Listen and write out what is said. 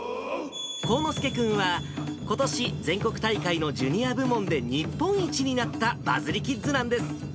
幸之助君は、ことし、全国大会のジュニア部門で日本一になったバズリキッズなんです。